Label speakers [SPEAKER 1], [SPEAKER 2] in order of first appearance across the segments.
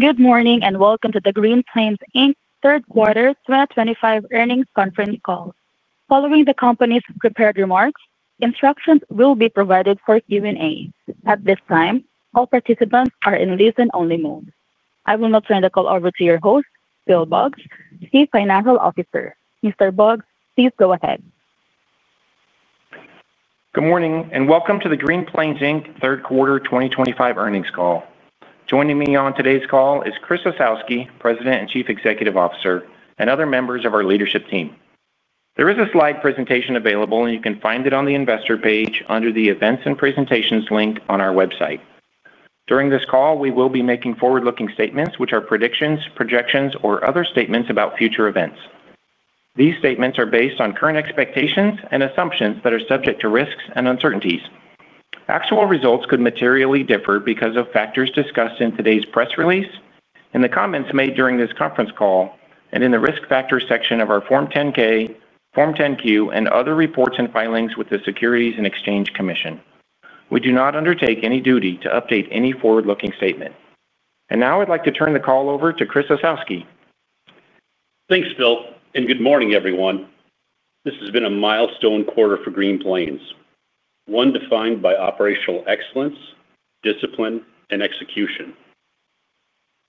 [SPEAKER 1] Good morning and welcome to the Green Plains third quarter 2025 earnings conference call. Following the company's prepared remarks, instructions will be provided for Q&A. At this time, all participants are in listen only mode. I will now turn the call over to your host, Phil Boggs, Chief Financial Officer. Mr. Boggs, please go ahead.
[SPEAKER 2] Good morning and welcome to the Green Plains third quarter 2025 earnings call. Joining me on today's call is Chris Osowski, President and Chief Executive Officer, and other members of our leadership team. There is a slide presentation available and you can find it on the investor page under the Events and Presentations link on our website. During this call we will be making forward-looking statements which are predictions, projections, or other statements about future events. These statements are based on current expectations and assumptions that are subject to risks and uncertainties. Actual results could materially differ because of factors discussed in today's press release, in the comments made during this conference call, and in the risk factors section of our Form 10-K, Form 10-Q, and other reports and filings with the Securities and Exchange Commission. We do not undertake any duty to update any forward-looking statement. Now I'd like to turn the call over to Chris Osowski.
[SPEAKER 3] Thanks Bill and good morning everyone. This has been a milestone quarter for Green Plains, one defined by operational excellence, discipline, and execution.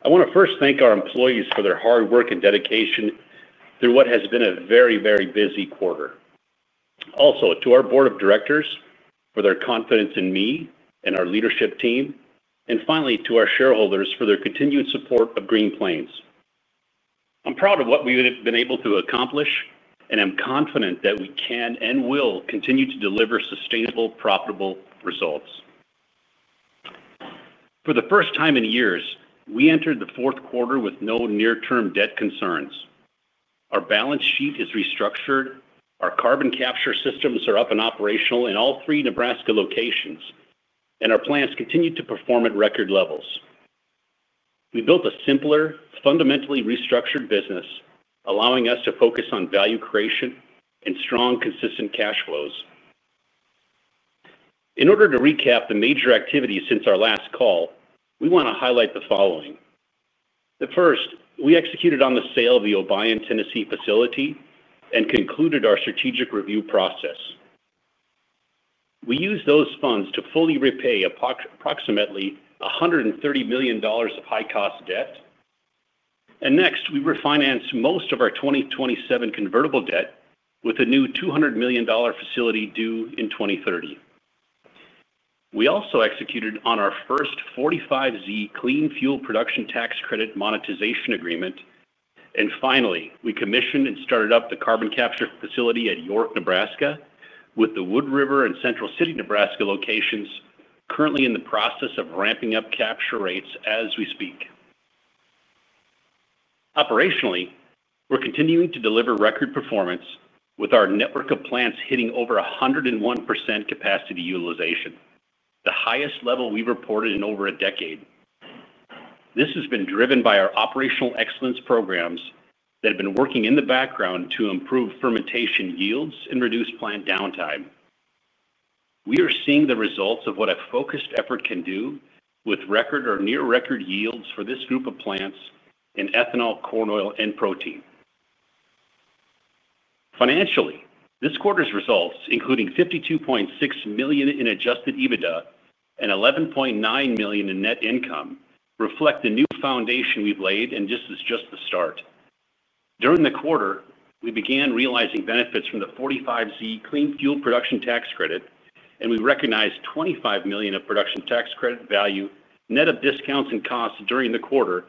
[SPEAKER 3] I want to first thank our employees for their hard work and dedication through what has been a very, very busy quarter. Also to our Board of Directors for their confidence in me and our leadership team, and finally to our shareholders for their continued support of Green Plains. I'm proud of what we have been able to accomplish and am confident that we can and will continue to deliver sustainable, profitable results for the first time in years. We entered the fourth quarter with no near term debt concerns. Our balance sheet is restructured, our carbon capture systems are up and operational in all three Nebraska locations, and our plants continue to perform at record levels. We built a simpler, fundamentally restructured business allowing us to focus on value creation and strong consistent cash flows. In order to recap the major activities since our last call, we want to highlight the following. The first, we executed on the sale of the Obion, Tennessee facility and concluded our strategic review process. We used those funds to fully repay approximately $130 million of high cost debt. Next, we refinanced most of our 2027 convertible debt with a new $200 million facility due in 2030. We also executed on our first 45Z clean fuel production tax credit monetization agreement. Finally, we commissioned and started up the carbon capture facility at York, Nebraska with the Wood River and Central City, Nebraska locations currently in the process of ramping up capture rates as we speak. Operationally, we're continuing to deliver record performance with our network of plants hitting over 101% capacity utilization, the highest level we've reported in over a decade. This has been driven by our Operational Excellence programs that have been working in the background to improve fermentation yields and reduce plant downtime. We are seeing the results of what a focused effort can do with record or near record yields for this group of plants in ethanol, corn oil and protein. Financially, this quarter's results, including $52.6 million in adjusted EBITDA and $11.9 million in net income, reflect the new foundation we've laid. This is just the start. During the quarter we began realizing benefits from the 45Z Clean Fuel Production Tax Credit and we recognized $25 million of production tax credit value net of discounts and costs during the quarter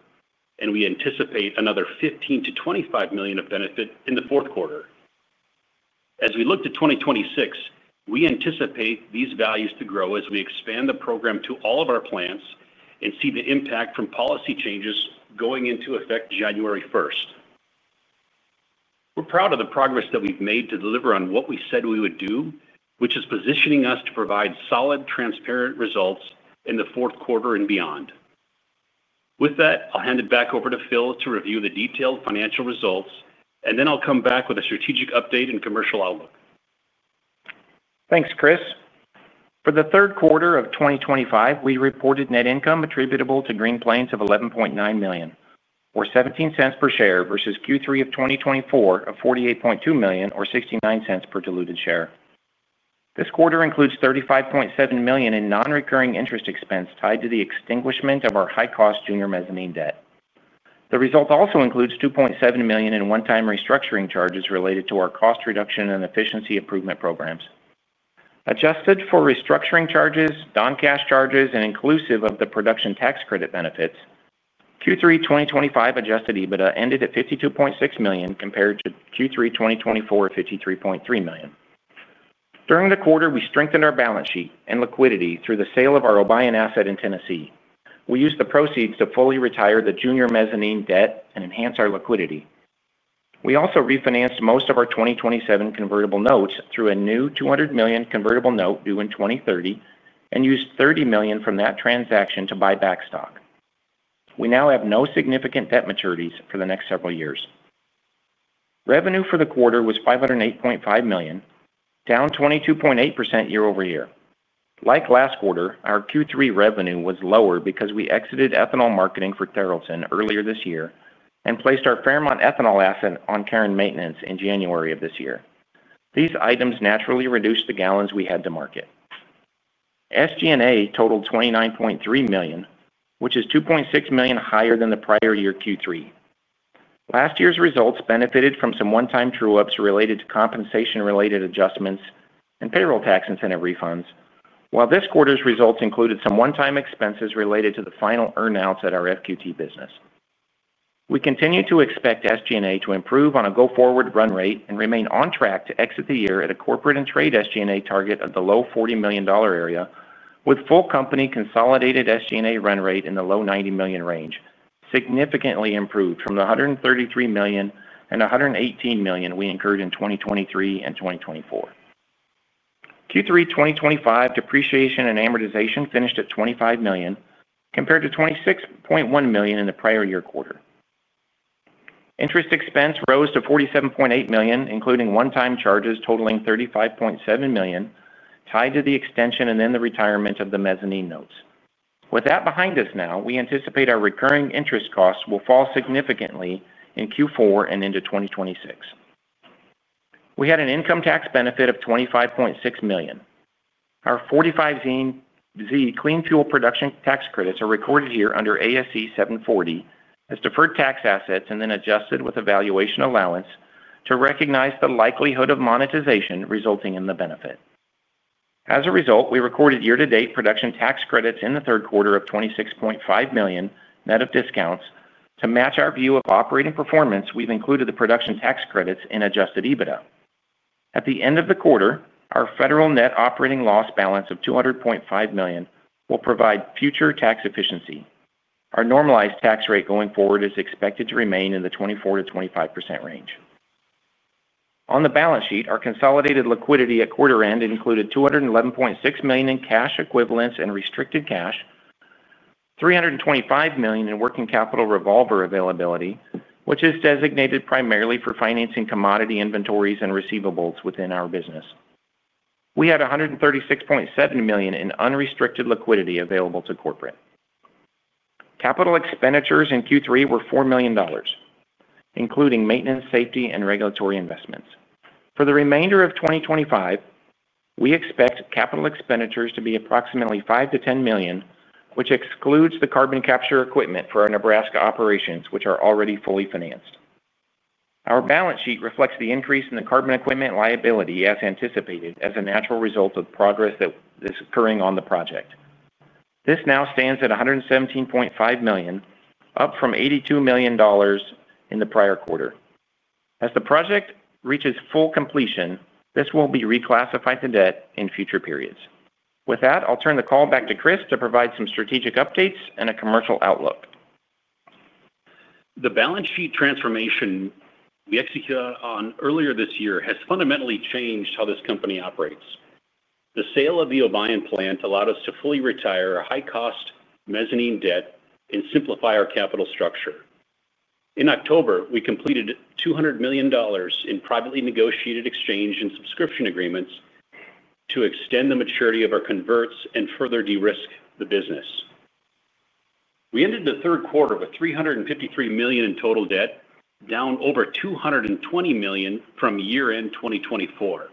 [SPEAKER 3] and we anticipate another $15 million-$25 million of benefit in the fourth quarter as we look to 2026. We anticipate these values to grow as we expand the program to all of our plants and see the impact from policy changes going into effect January 1. We're proud of the progress that we've made to deliver on what we said we would do, which is positioning us to provide solid, transparent results in the fourth quarter and beyond. With that, I'll hand it back over to Phil to review the detailed financial results and then I'll come back with a strategic update and commercial outlook.
[SPEAKER 2] Thanks Chris. For the third quarter of 2025 we reported net income attributable to Green Plains of $11.9 million or $0.17 per share versus Q3 of 2024 of $48.2 million or $0.69 per diluted share. This quarter includes $35.7 million in non-recurring interest expense tied to the extinguishment of our high-cost junior mezzanine debt. The result also includes $2.7 million in one-time restructuring charges related to our cost reduction and efficiency improvement programs. Adjusted for restructuring charges, non-cash charges and inclusive of the production tax credit benefits, Q3 2025 adjusted EBITDA ended at $52.6 million compared to Q3 2024 $53.3 million. During the quarter we strengthened our balance sheet and liquidity through the sale of our Obion asset in Tennessee. We used the proceeds to fully retire the junior mezzanine debt and enhance our liquidity. We also refinanced most of our 2027 convertible notes through a new $200 million convertible note due in 2030 and used $30 million from that transaction to buy back stock. We now have no significant debt maturities for the next several years. Revenue for the quarter was $508.5 million, down 22.8% year over year. Like last quarter, our Q3 revenue was lower because we exited ethanol marketing for Tarleton earlier this year and placed our Fairmont ethanol asset on cold maintenance in January of this year. These items naturally reduced the gallons we had to market. SG&A totaled $29.3 million, which is $2.6 million higher than the prior year. Q3 last year's results benefited from some one-time true-ups related to compensation-related adjustments and payroll tax incentive refunds, while this quarter's results included some one-time expenses related to the final earnouts at our FQT business. We continue to expect SGA to improve on a go forward run rate and remain on track to exit the year at a corporate and trade SGA target at the low $40 million area with full company consolidated SGA run rate in the low $90 million range, significantly improved from the $133 million and $118 million we incurred in 2023 and 2024. Q3 2025 depreciation and amortization finished at $25 million compared to $26.1 million in the prior year. Quarter interest expense rose to $47.8 million including one-time charges totaling $35.7 million tied to the extension and then the retirement of the mezzanine notes. With that behind us now, we anticipate our recurring interest costs will fall significantly in Q4 and into 2026. We had an income tax benefit of $25.6 million. Our 45Z clean fuel production tax credits are recorded here under ASC 740 as deferred tax assets and then adjusted with a valuation allowance to recognize the likelihood of monetization resulting in the benefit. As a result, we recorded year to date production tax credits in 3Q 2026 of $26.5 million net of discounts to match our view of operating performance. We've included the production tax credits in adjusted EBITDA at the end of the quarter. Our federal net operating loss balance of $200.5 million will provide future tax efficiency. Our normalized tax rate going forward is expected to remain in the 24%-25% range on the balance sheet. Our consolidated liquidity at quarter end included $211.6 million in cash equivalents and restricted cash, $325 million in working capital revolver availability, which is designated primarily for financing commodity inventories and receivables. Within our business, we had $136.7 million in unrestricted liquidity available to corporate capital. Expenditures in Q3 were $4 million, including maintenance, safety, and regulatory investments. For the remainder of 2025, we expect capital expenditures to be approximately $5 million-$10 million, which excludes the carbon capture equipment for our Nebraska operations which are already fully financed. Our balance sheet reflects the increase in the carbon equipment liability as anticipated as a natural result of progress that is occurring on the project. This now stands at $117.5 million, up from $82 million in the prior quarter. As the project reaches full completion, this will be reclassified to debt in future periods. With that, I'll turn the call back to Chris to provide some strategic updates and a commercial outlook.
[SPEAKER 3] The balance sheet transformation we executed on earlier this year has fundamentally changed how this company operates. The sale of the Obion plant allowed us to fully retire a high cost mezzanine debt and simplify our capital structure. In October we completed $200 million in privately negotiated exchange and subscription agreements to extend the maturity of our converts and further de-risk the business. We ended the third quarter with $353 million in total debt, down over $220 million from year end 2024.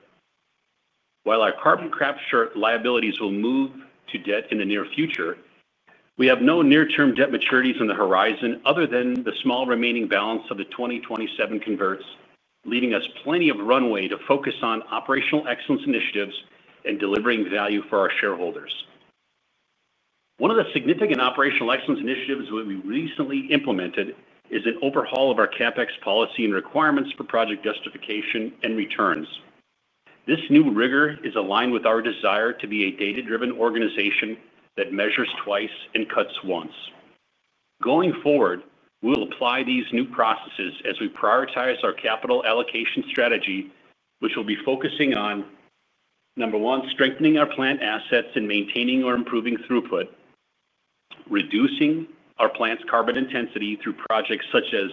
[SPEAKER 3] While our carbon capture liabilities will move to debt in the near future, we have no near term debt maturities on the horizon other than the small remaining balance of the 2027 converts, leaving us plenty of runway to focus on operational excellence initiatives and delivering value for our shareholders. One of the significant operational excellence initiatives we recently implemented is an overhaul of our CapEx policy and requirements for project justification and returns. This new rigor is aligned with our desire to be a data driven organization that measures twice and cuts once. Going forward, we will apply these new processes as we prioritize our capital allocation strategy which will be focusing on number one, strengthening our plant assets and maintaining or improving throughput, reducing our plant's carbon intensity through projects such as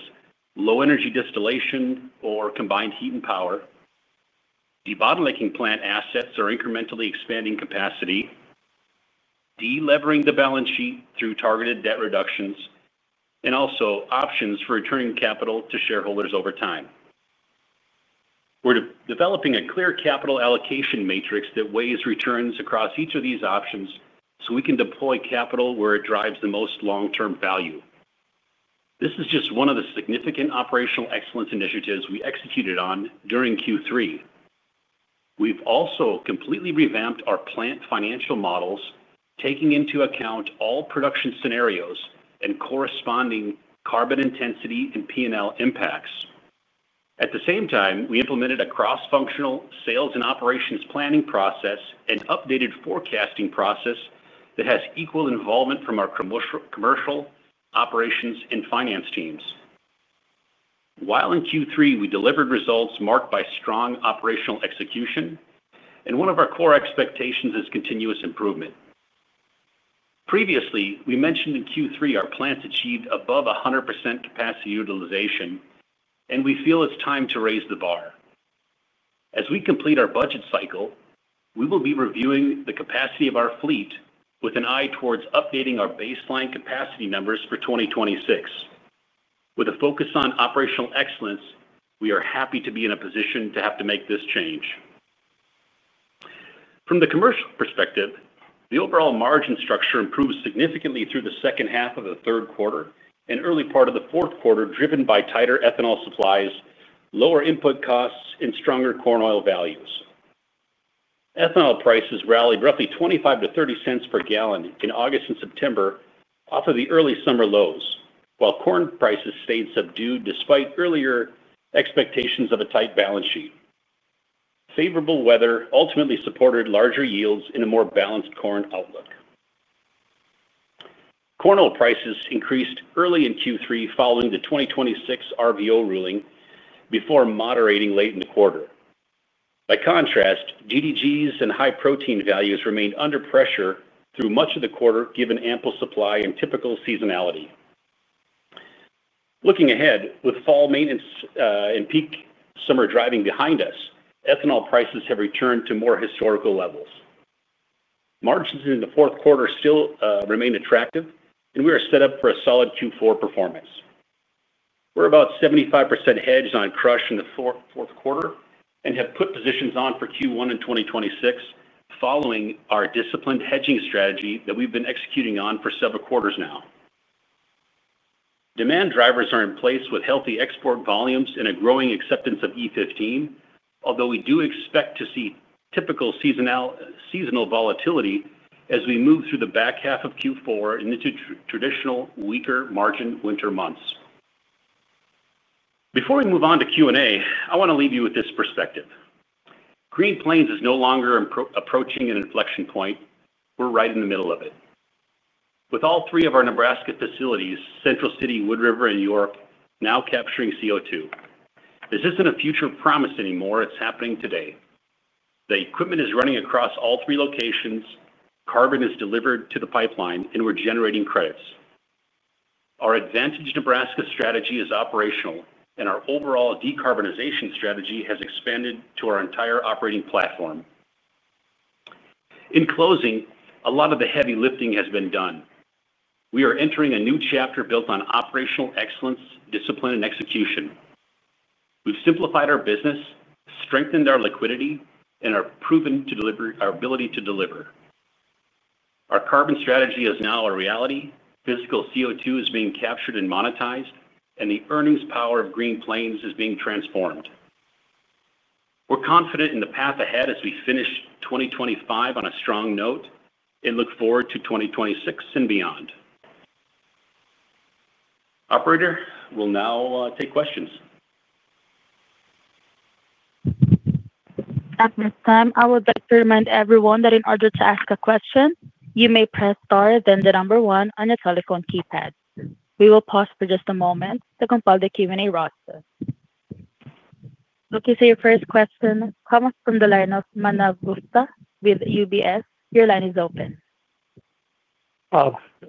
[SPEAKER 3] low energy distillation or combined heat and power, debottlenecking plant assets or incrementally expanding capacity, delevering the balance sheet through targeted debt reductions, and also options for returning capital to shareholders over time. We're developing a clear capital allocation matrix that weighs returns across each of these options so we can deploy capital where it drives the most long term value. This is just one of the significant operational excellence initiatives we executed on during Q3. We've also completely revamped our plant financial models taking into account all production scenarios and corresponding carbon intensity and P&L impacts. At the same time, we implemented a cross functional sales and operations planning process and updated forecasting process that has equal involvement from our commercial operations and finance teams. While in Q3 we delivered results marked by strong operational execution and one of our core expectations is continuous improvement. Previously we mentioned in Q3 our plants achieved above 100% capacity utilization and we feel it's time to raise the bar. As we complete our budget cycle, we will be reviewing the capacity of our fleet with an eye towards updating our baseline capacity numbers for 2026 with a focus on operational excellence. We are happy to be in a position to have to make this change. From the commercial perspective, the overall margin structure improves significantly through the second half of the third quarter and early part of the fourth quarter, driven by tighter ethanol supplies, lower input costs, and stronger corn oil values. Ethanol prices rallied roughly $0.25-$0.30 per gallon in August and September off of the early summer lows, while corn prices stayed subdued despite earlier expectations of a tight balance sheet. Favorable weather ultimately supported larger yields in a more balanced corn outlook. Corn oil prices increased early in Q3 following the 2026 RVO ruling before moderating late in the quarter. By contrast, DDGS and high protein values remained under pressure through much of the quarter given ample supply and typical seasonality. Looking ahead with fall maintenance and peak summer driving behind us, ethanol prices have returned to more historical levels. Margins in the fourth quarter still remain attractive and we are set up for a solid Q4 performance. We're about 75% hedged on crush in the fourth quarter and have put positions on for Q1 in 2026 following our disciplined hedging strategy that we've been executing on for several quarters now, demand drivers are in place with healthy export volumes and a growing acceptance of E15, although we do expect to see typical seasonal volatility as we move through the back half of Q4 into traditional weaker margin winter months. Before we move on to Q&A, I want to leave you with this perspective. Green Plains is no longer approaching an inflection point. We're right in the middle of it. With all three of our Nebraska facilities, Central City, Wood River and York now capturing CO2, this isn't a future promise anymore. It's happening today. The equipment is running across all three locations, carbon is delivered to the pipeline and we're generating credits. Our Advantage Nebraska strategy is operational and our overall decarbonization strategy has expanded to our entire operating platform. In closing, a lot of the heavy lifting has been done. We are entering a new chapter built on operational excellence, discipline and execution. We've simplified our business, strengthened our liquidity, and are proven to deliver our ability to deliver. Our carbon strategy is now a reality. Physical CO2 is being captured and monetized, and the earnings power of Green Plains is being transformed. We're confident in the path ahead as we finish 2025 on a strong note and look forward to 2026 and beyond. Operator, we'll now take questions.
[SPEAKER 1] At this time, I would like to remind everyone that in order to ask a question, you may press star, then the number one on your telephone keypad. We will pause for just a moment to compile the Q&A roster. Okay, so your first question comes from the line of Manav Gupta with UBS. Your line is open.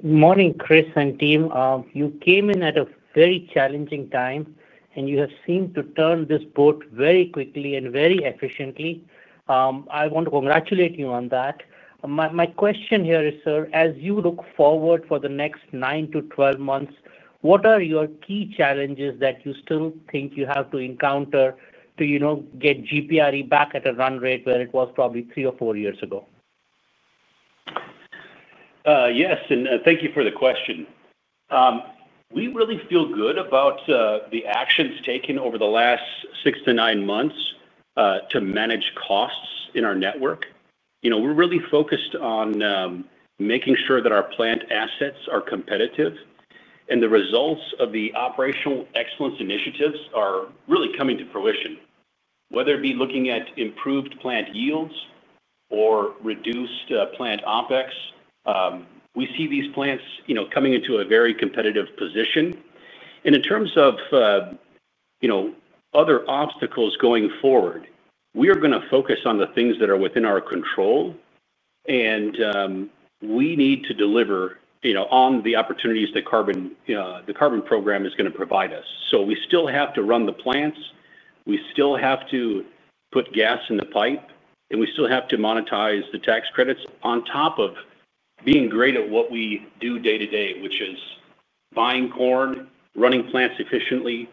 [SPEAKER 4] Morning, Chris and team. You came in at a very challenging time and you have seemed to turn this boat very quickly and very efficiently. I want to congratulate you on that. My question here is, sir, as you look forward for the next nine to 12 months, what are your key challenges that you still think you have to encounter to, you know, get GPRD back at a run rate where it was probably three or four years ago?
[SPEAKER 3] Yes, and thank you for the question. We really feel good about the actions taken over the last six to nine months to manage costs in our network. You know, we're really focused on making sure that our plant assets are competitive. The results of the operational excellence initiatives are really coming to fruition. Whether it be looking at improved plant yields or reduced plant OpEx, we see these plants, you know, coming into a very competitive position. In terms of, you know, other obstacles going forward, we are going to focus on the things that are within our control and we need to deliver, you know, on the opportunities that carbon, the carbon program is going to provide us. We still have to run the plants, we still have to put gas in the pipe, and we still have to monetize the tax credits. On top of being great at what we do day to day, which is buying corn, running plants efficiently,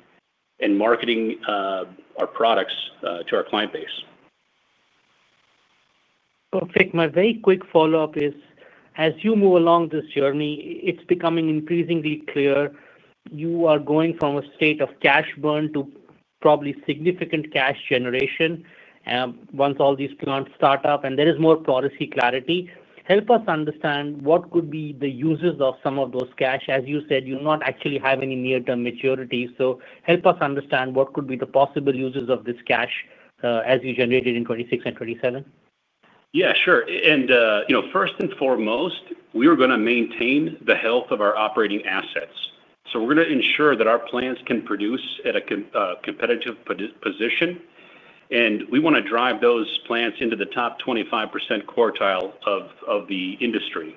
[SPEAKER 3] and marketing our products to our client base.
[SPEAKER 4] Perfect. My very quick follow up is as you move along this journey, it's becoming increasingly clear you are going from a state of cash burn to probably significant cash generation once all these plants start up and there is more policy clarity. Help us understand what could be the uses of some of those cash. As you said, you do not actually have any near term maturity, so help us understand what could be the possible uses of this cash as you generate it in 2026 and 2027.
[SPEAKER 3] Yeah, sure. You know, first and foremost we are going to maintain the health of our operating assets. We are going to ensure that our plants can produce at a competitive position and we want to drive those plants into the top 25% quartile of the industry.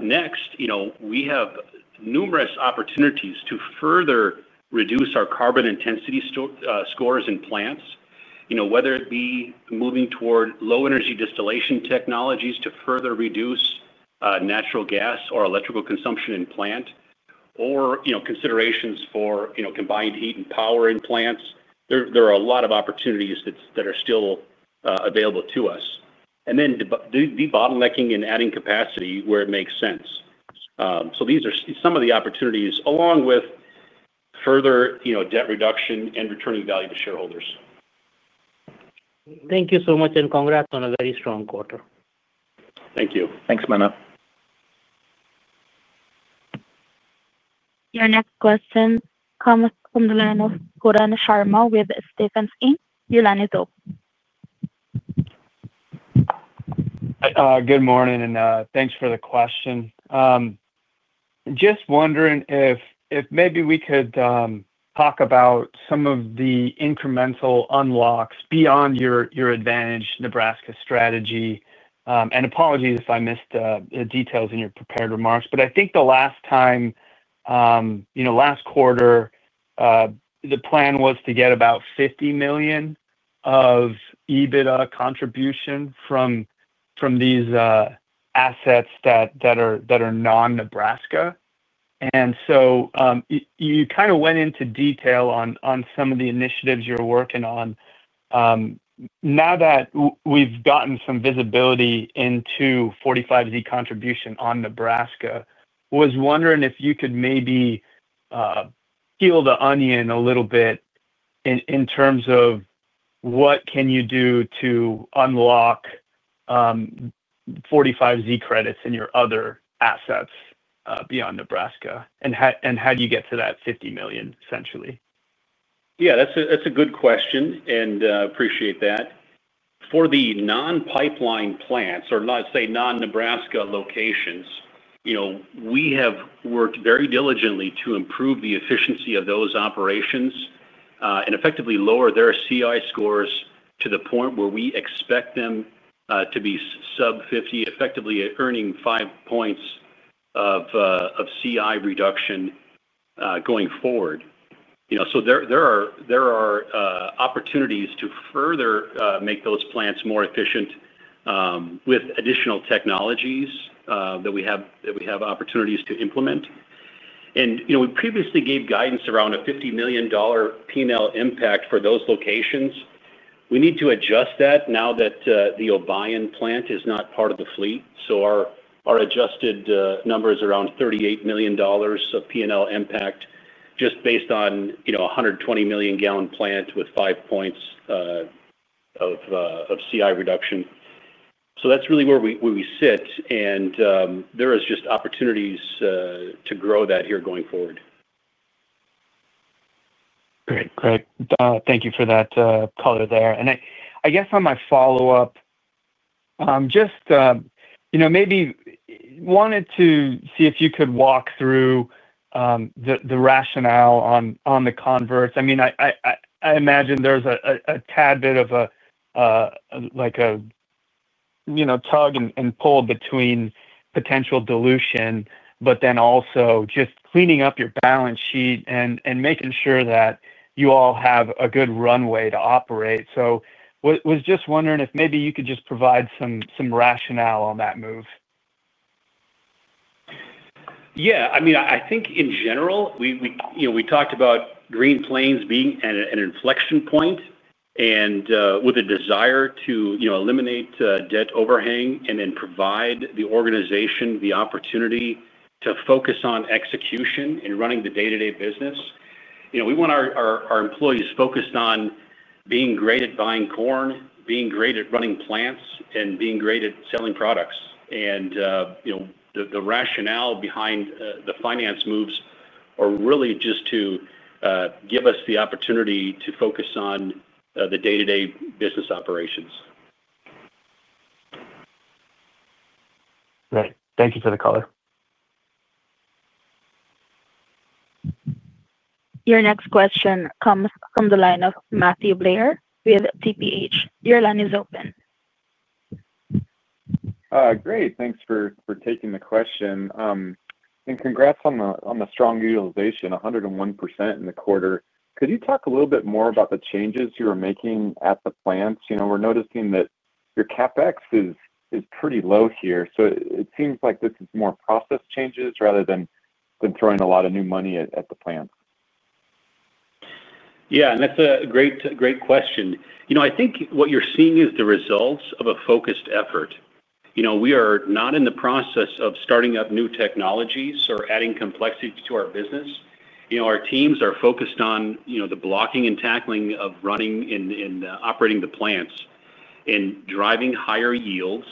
[SPEAKER 3] Next, you know, we have numerous opportunities to further reduce our carbon intensity scores in plants. You know, whether it be moving toward low energy distillation technologies to further reduce natural gas or electrical consumption in plant or considerations for combined heat and power in plants, there are a lot of opportunities that are still available to us and then debottlenecking and adding capacity where it makes sense. These are some of the opportunities along with further debt reduction and returning value to shareholders.
[SPEAKER 4] Thank you so much and congrats on a very strong quarter.
[SPEAKER 3] Thank you.
[SPEAKER 2] Thanks, Manav.
[SPEAKER 1] Your next question comes from the line of Pooran Sharma with Stephens Inc. Your line is open.
[SPEAKER 5] Good morning and thanks for the question. Just wondering if maybe we could talk about some of the incremental unlocks beyond your Advantage Nebraska strategy. Apologies if I missed the details in your prepared remarks, but I think the last time, you know, last quarter the plan was to get about $50 million of EBITDA contribution from these assets that are non-Nebraska. You kind of went into detail on some of the initiatives you're working on. Now that we've gotten some visibility into 45Z contribution on Nebraska, was wondering if you could maybe peel the onion a little bit in terms of what can you do to unlock 45Z credits in your other assets beyond Nebraska and how do you get to that $50 million essentially?
[SPEAKER 3] Yeah, that's a good question. I appreciate that for the non-pipeline plants or let's say non-Nebraska locations, you know, we have worked very diligently to improve the efficiency of those operations and effectively lower their CI scores to the point where we expect them to be sub 50, effectively earning 5 percentage points of CI reduction going forward. You know, there are opportunities to further make those plants more efficient with additional technologies that we have opportunities to implement. You know, we previously gave guidance around a $50 million P&L impact for those locations. We need to adjust that now that the Obion plant is not part of the fleet. Our adjusted number is around $38 million of P&L impact just based on a 120 million gal plant with 5 percentage points of CI reduction. That is really where we sit and there is just opportunities to grow that here going forward.
[SPEAKER 5] Great. Thank you for that color there. I guess on my follow up, just, you know, maybe wanted to see if you could walk through the rationale on the converts. I mean, I imagine there's a tad bit of a, like a, you know, tug and pull between potential dilution, but then also just cleaning up your balance sheet and making sure that you all have a good runway to operate. Was just wondering if maybe you could just provide some rationale on that move.
[SPEAKER 3] Yeah, I mean, I think in general we talked about Green Plains being an inflection point and with a desire to eliminate debt overhang and then provide the organization the opportunity to focus on execution in running the day to day business. You know, we want our employees focused on being great at buying corn, being great at running plants and being great at selling products. You know, the rationale behind the finance moves are really just to give us the opportunity to focus on the day to day business operations.
[SPEAKER 5] Right. Thank you for the caller.
[SPEAKER 1] Your next question comes from the line of Matthew Blair with TPH. Your line is open.
[SPEAKER 6] Great, thanks for taking the question. And congrats on the strong utilization. 101% in the quarter. Could you talk a little bit more about the changes you were making at the plants? You know, we're noticing that your CapEx is, is pretty low here. So it seems like this is more process changes rather than throwing a lot of new money at the plant.
[SPEAKER 3] Yeah, and that's a great, great question. You know, I think what you're seeing is the results of a focused effort. You know, we are not in the process of starting up new technologies or adding complexity to our business. You know, our teams are focused on, you know, the blocking and tackling of running and operating the plants, driving higher yields.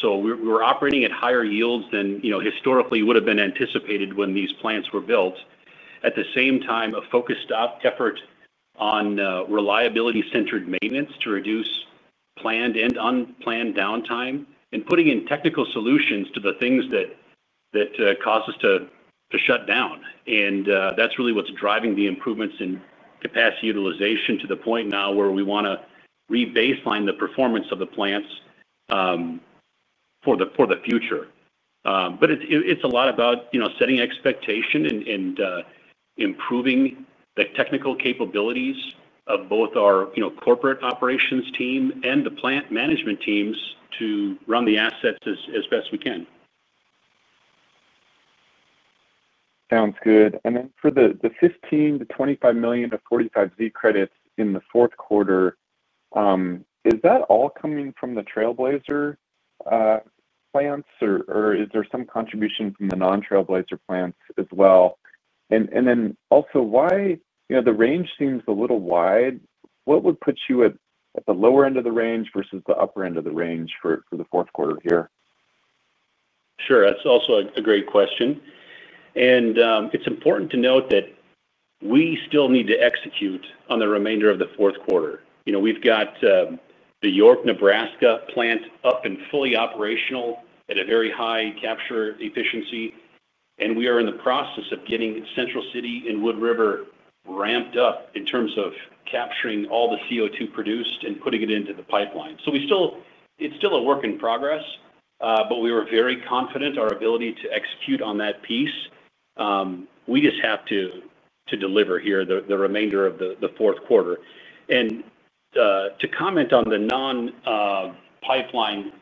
[SPEAKER 3] So we're operating at higher yields than, you know, historically would have been anticipated when these plants were built. At the same time, a focused effort on reliability centered maintenance to reduce planned and unplanned downtime and putting in technical solutions to the things that cause us to shut down. That's really what's driving the improvements in capacity utilization to the point now where we want to rebaseline the performance of the plants for the, for the future. It's a lot about, you know, setting expectation and improving the technical capabilities of both our, you know, corporate operations team and the plant management teams to run the assets as best we can.
[SPEAKER 6] Sounds good. And then for the $15 million-$25 million to 45Z credits in the fourth quarter, is that all coming from the Trailblazer plants or is there some contribution from the non-trailblazer plan as well? And then also why, you know, the range seems a little wide. What would put you at the lower end of the range versus the upper end of the range for the fourth quarter here?
[SPEAKER 3] Sure, that's also a great question. It's important to note that we still need to execute on the remainder of the fourth quarter. You know, we've got the York, Nebraska plant up and fully operational at a very high capture efficiency, and we are in the process of getting Central City and Wood River ramped up in terms of capturing all the CO2 produced and putting it into the pipeline. It's still a work in progress, but we are very confident in our ability to execute on that piece. We just have to deliver here the remainder of the fourth quarter. To comment on the non-pipeline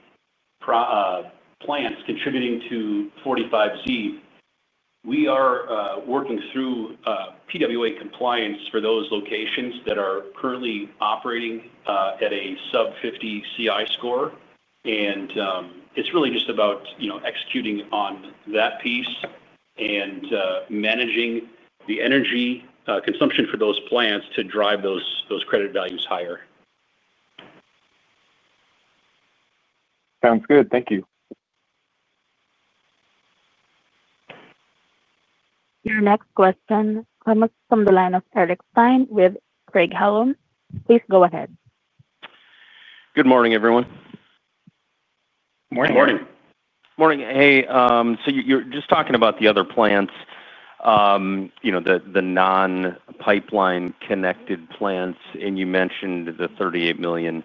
[SPEAKER 3] plants contributing to 45Z, we are working through PWA compliance for those locations that are currently operating at a sub 50 CI score. It is really just about, you know, executing on that piece and managing the energy consumption for those plants to drive those credit values higher.
[SPEAKER 6] Sounds good, thank you.
[SPEAKER 1] Your next question from the line of Eric Stine with Craig-Hallum. Please go ahead.
[SPEAKER 7] Good morning everyone.
[SPEAKER 3] Morning.
[SPEAKER 7] Morning. Morning. Hey, so you're just talking about the other plants, you know, the non-pipeline connected plants, and you mentioned the $38 million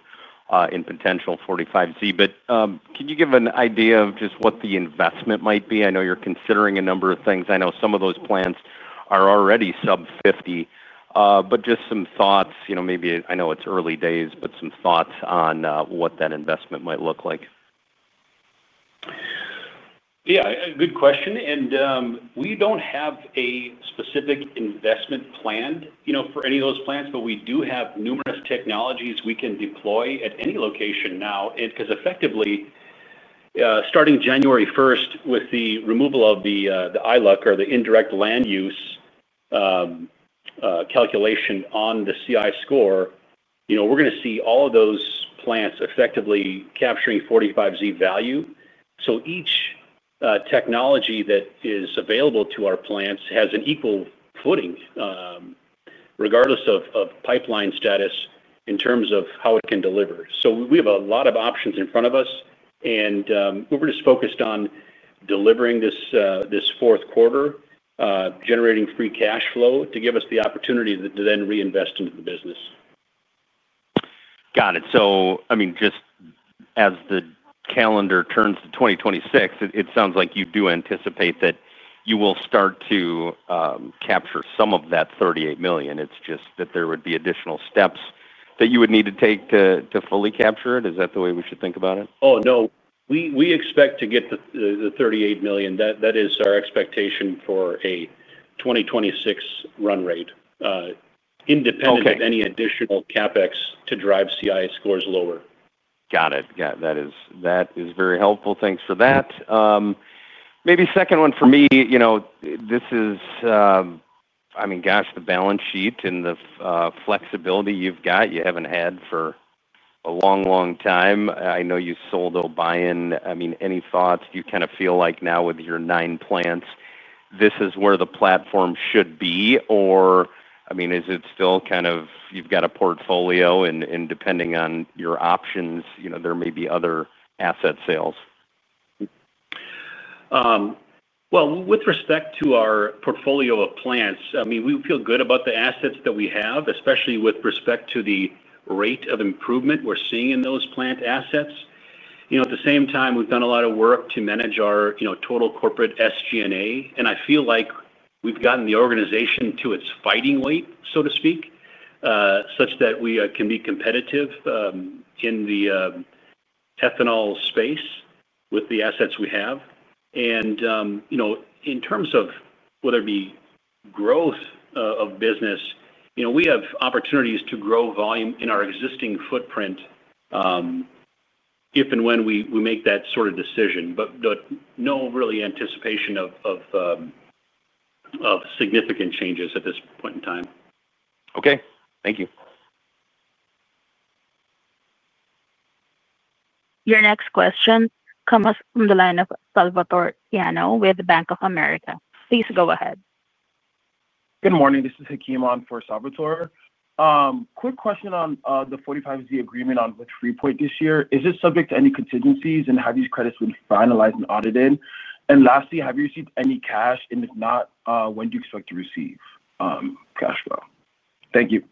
[SPEAKER 7] in potential 45Z. But can you give an idea of just what the investment might be? I know you're considering a number of things. I know some of those plants are already sub-50, but just some thoughts, you know, maybe, I know it's early days, but some thoughts on what that investment might look like.
[SPEAKER 3] Yeah, good question. We do not have a specific investment plan, you know, for any of those plants, but we do have numerous technologies we can deploy at any location now. Because effectively starting January 1 with the removal of the ILUC or the indirect land use calculation on the CI score, you know, we are going to see all of those plants effectively capturing 45Z value. Each technology that is available to our plants has an equal footing regardless of pipeline status in terms of how it can deliver. We have a lot of options in front of us and we are just focused on delivering this fourth quarter, generating free cash flow to give us the opportunity to then reinvest into the business.
[SPEAKER 7] Got it. So I mean, just as the calendar turns to 2026, it sounds like you do anticipate that you will start to capture some of that $38 million. It's just that there would be additional steps that you would need to take to fully capture it. Is that the way we should think about it?
[SPEAKER 3] Oh, no. We expect to get the $38 million. That is our expectation for a 2026 run rate independent of any additional CapEx to drive CI scores lower.
[SPEAKER 7] Got it. That is very helpful. Thanks for that. Maybe second one for me. You know, this is, I mean, gosh, the balance sheet and the flexibility you've got, you haven't had for a long, long time. I know you sold Obion. I mean, any thoughts? Do you kind of feel like now with your nine plants, this is where the platform should be, or. I mean, is it still kind of. You've got a portfolio and depending on your options, you know, there may be other asset sales?
[SPEAKER 3] With respect to our portfolio of plants, I mean, we feel good about the assets that we have, especially with respect to the rate of improvement we're seeing in those plant assets. You know, at the same time, we've done a lot of work to manage our, you know, total corporate SG&A. I feel like we've gotten the organization to its fighting weight, so to speak, such that we can be competitive in the ethanol space with the assets we have. You know, in terms of whether it be growth of business, you know, we have opportunities to grow volume in our existing footprint if and when we make that sort of decision. No, really anticipation of significant changes at this point in time.
[SPEAKER 7] Okay, thank you.
[SPEAKER 1] Your next question comes from the line of Salvator Tiano with Bank of America. Please go ahead. Good morning, this is Hakeem on for Salvator. Quick question on the 45Z agreement on with Freepoint this year. Is it subject to any contingencies, and have these credits, when finalized and audited? Lastly, have you received any cash, and if not, when do you expect to receive cash flow? Thank you.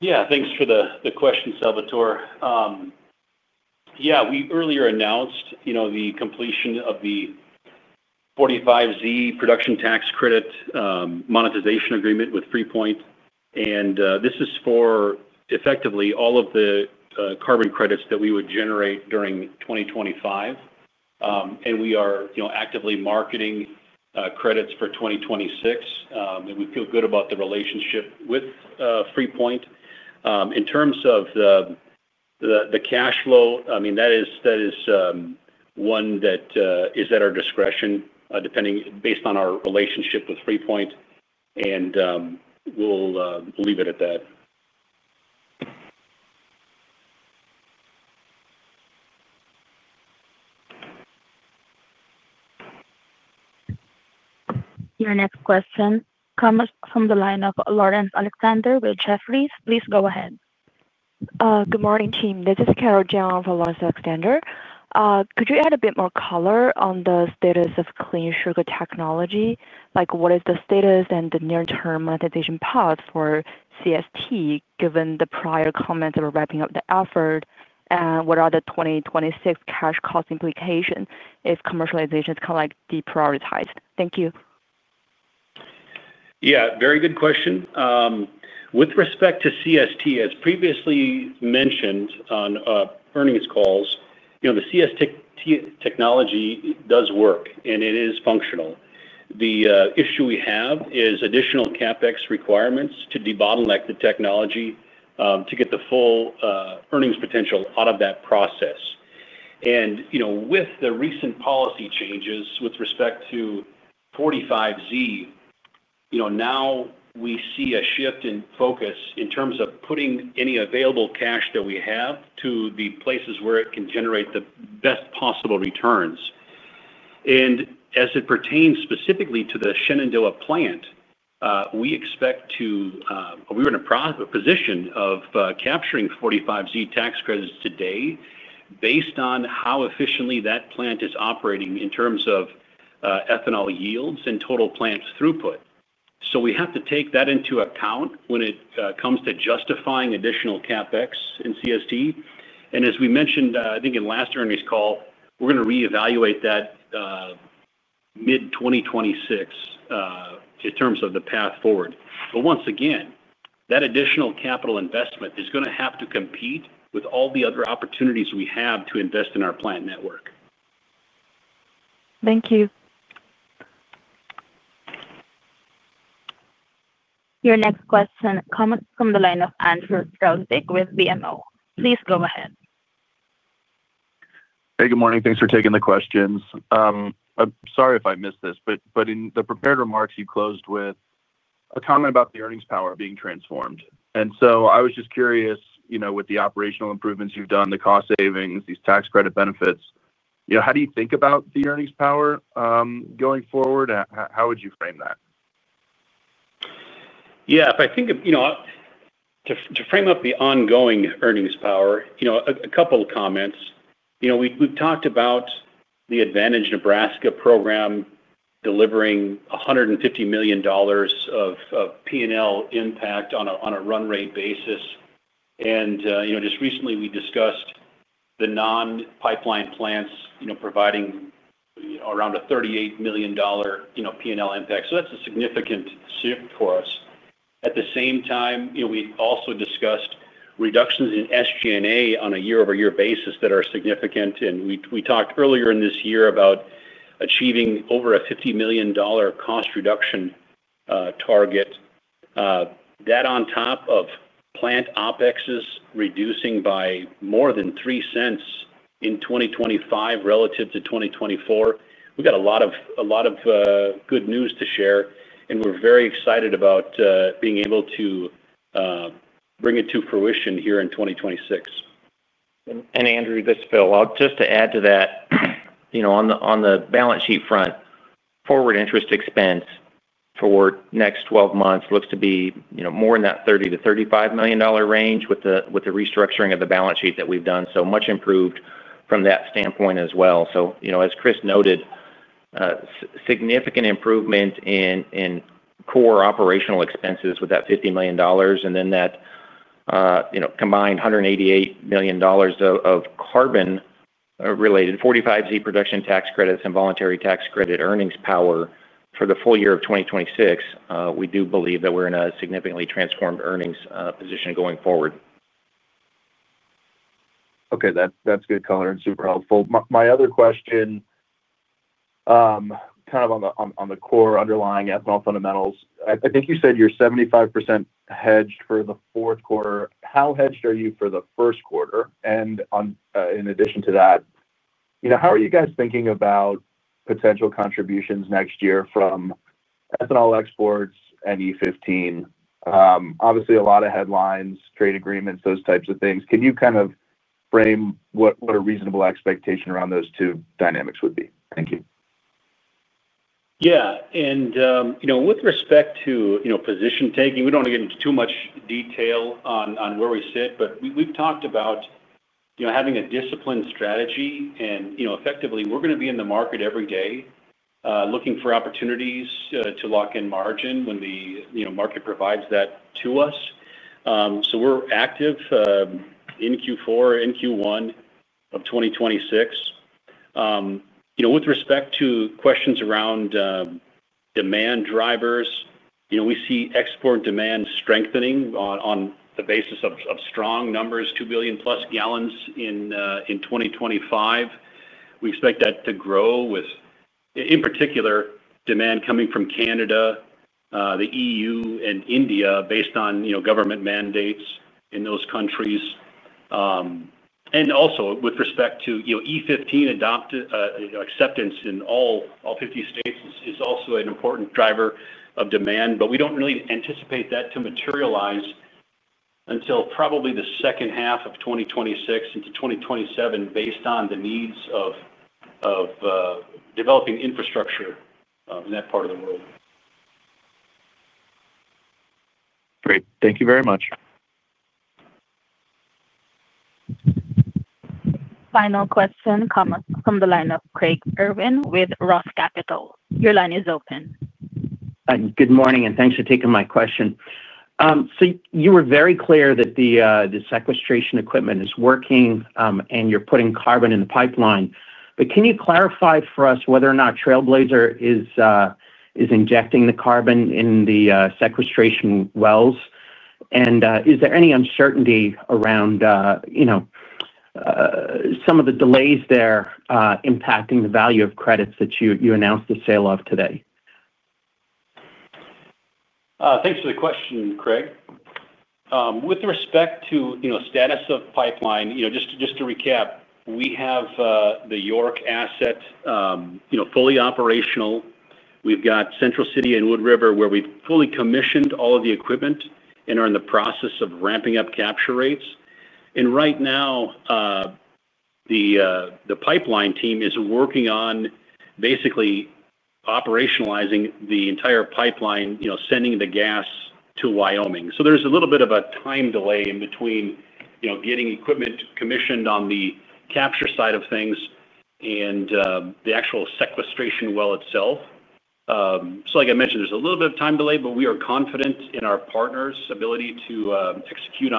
[SPEAKER 3] Yeah, thanks for the question, Salvatore. Yeah, we earlier announced, you know, the completion of the 45Z production tax credit monetization agreement with Freepoint. And this is for effectively all of the carbon credits that we would generate during 2025. And we are, you know, actively marketing credits for 2026. And we feel good about the relationship with Freepoint in terms of the cash flow. I mean, that is one that is at our discretion depending based on our relationship with Freepoint. And we'll leave it at that.
[SPEAKER 1] Your next question comes from the line of Laurence Alexander with Jefferies. Please go ahead.
[SPEAKER 8] Good morning, team. This is Carol Jiang for Lawrence Alexander. Could you add a bit more color on the status of clean sugar technology. Like what is the status and the near term monetization path for CST given the prior comments about wrapping up the effort. What are the 2026 cash cost implications if commercialization is kind of like deprioritized. Thank you.
[SPEAKER 3] Yeah, very good question with respect to CST. As previously mentioned on earnings calls, you know, the CST technology does work and it is functional. The issue we have is additional CapEx requirements to debottleneck the technology to get the full earnings potential out of that process. You know, with the recent policy changes with respect to 45Z, now we see a shift in focus in terms of putting any available cash that we have to the places where it can generate the best possible returns. As it pertains specifically to the Shenandoah plant, we expect to, we're in a position of capturing 45Z tax credits today based on how efficiently that plant is operating in terms of ethanol yields and total plant throughput. We have to take that into account when it comes to justifying additional CapEx in CST. As we mentioned, I think in last earnings call, we're going to reevaluate that mid-2026 in terms of the path forward. Once again that additional capital investment is going to have to compete with all the other opportunities we have to invest in our plant network.
[SPEAKER 8] Thank you.
[SPEAKER 1] Your next question comes from the line of Andrew Strelzik with BMO. Please go ahead.
[SPEAKER 9] Hey, good morning. Thanks for taking the questions. I'm sorry if I missed this, but in the prepared remarks you closed with a comment about the earnings power being transformed. I was just curious, you know, with the operational improvements you've done, the cost savings, these tax credit benefits, you know, how do you think about the earnings power going forward? How would you frame that?
[SPEAKER 3] Yeah, if I think, you know, to frame up the ongoing earnings power. You know, a couple of comments, you know, we've talked about the Advantage Nebraska program delivering $150 million of P&L impact on a run rate basis. You know, just recently we discussed the non pipeline plants, you know, providing around a $38 million, you know, P&L impact. That's a significant shift for us. At the same time, you know, we also discussed reductions in SG&A on a year over year basis that are significant. We talked earlier in this year about achieving over a $50 million cost reduction target that on top of plant OpEx is reducing by more than $0.03 in 2025 relative to 2024. We've got a lot of good news to share and we're very excited about being able to bring it to fruition here in 2026.
[SPEAKER 2] Andrew, this is Phil. I'll just add to that, you know, on the balance sheet front, forward interest expense for the next 12 months looks to be, you know, more in that $30 million-$35 million range with the restructuring of the balance sheet that we've done, so much improved from that standpoint as well. You know, as Chris noted, significant improvement in core operational expenses with that $50 million, and then that combined $188 million of carbon-related 45Z production tax credits and voluntary tax credit earnings power for the full year of 2026. We do believe that we're in a significantly transformed earnings position going forward.
[SPEAKER 9] Okay, that's good color and super helpful. My other question kind of on the core underlying ethanol fundamentals, I think you said you're 75% hedged for the fourth quarter. How hedged are you for the first quarter? In addition to that, how are you guys thinking about potential contributions next year from ethanol exports and E15? Obviously a lot of headlines, trade agreements, those types of things. Can you kind of frame what a reasonable expectation around those two dynamics would be? Thank you.
[SPEAKER 3] Yeah. With respect to position taking, we do not get into too much detail on where we sit, but we have talked about, you know, having a disciplined strategy and, you know, effectively we are going to be in the market every day looking for opportunities to lock in margin when the, you know, market provides that to us. We are active in Q4 and Q1 of 2026. You know, with respect to questions around demand drivers, you know, we see export demand strengthening on the basis of strong numbers, 2 billion+ gal in 2025. We expect that to grow with, in particular, demand coming from Canada, the EU, and India based on, you know, government mandates in those countries. Also, with respect to, you know, E15, acceptance in all 50 states is also an important driver of demand. We don't really anticipate that to materialize until probably the second half of 2026 into 2027 based on the needs of developing infrastructure in that part of the world.
[SPEAKER 9] Great, thank you very much.
[SPEAKER 1] Final question from the line of Craig Irwin with Roth Capital. Your line is open.
[SPEAKER 10] Good morning and thanks for taking my question. You were very clear that the sequestration equipment is working and you're putting carbon in the pipeline. Can you clarify for us whether or not Trailblazer is injecting the carbon in the sequestration wells and is there any uncertainty around, you know, some of the delays there impacting the value of credits that you announced the sale of today?
[SPEAKER 3] Thanks for the question, Craig. With respect to, you know, status of pipeline, just to recap, we have the York asset fully operational. We've got Central City and Wood River where we fully commissioned all of the equipment and are in the process of ramping up capture rates. Right now the pipeline team is working on basically operationalizing the entire pipeline, you know, sending the gas to Wyoming. There's a little bit of a time delay in between getting equipment commissioned on the capture side of things and the actual sequestration well itself. Like I mentioned, there's a little bit of time delay, but we are confident in our partner's ability to execute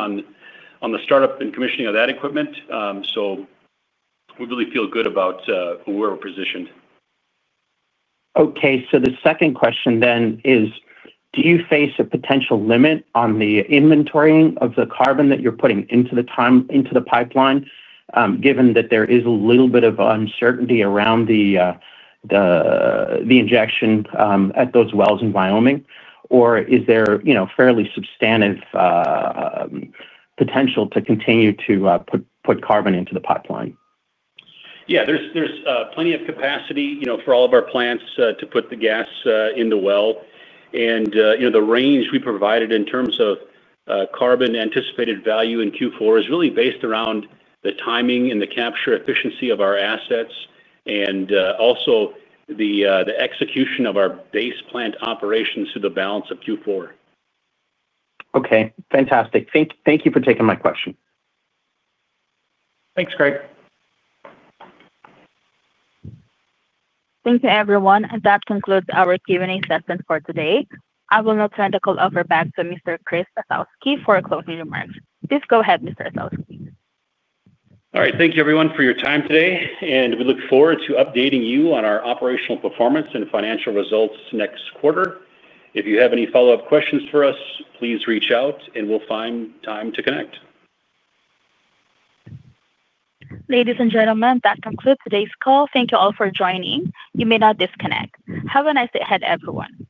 [SPEAKER 3] on the startup and commissioning of that equipment. We really feel good about where we're positioned.
[SPEAKER 10] Okay, so the second question then is, do you face a potential limit on the inventorying of the carbon that you're putting into the pipeline given that there is a little bit of uncertainty around the injection at those wells in Wyoming, or is there fairly substantive potential to continue to put carbon into the pipeline?
[SPEAKER 3] Yeah, there's plenty of capacity, you know, for all of our plants to put the gas in the well. You know, the range we provided in terms of carbon anticipated value in Q4 is really based around the timing and the capture efficiency of our assets and also the execution of our base plant operations through the balance of Q4.
[SPEAKER 10] Okay, fantastic. Thank you for taking my question.
[SPEAKER 2] Thanks Greg.
[SPEAKER 1] Thank you everyone. That concludes our Q&A session for today. I will now turn the call over back to Mr. Chris Osowski for closing remarks. Please go ahead, Mr. Osowski.
[SPEAKER 3] All right, thank you everyone for your time today and we look forward to updating you on our operational performance and financial results next quarter. If you have any follow up questions for us, please reach out and we'll find time to connect.
[SPEAKER 1] Ladies and gentlemen, that concludes today's call. Thank you all for joining. You may now disconnect. Have a nice day ahead everyone.